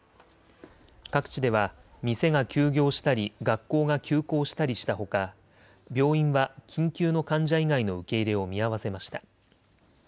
各地では店が休業したり学校が休校したりしたほか病院は緊急の患者以外の受け入れを見合わせました。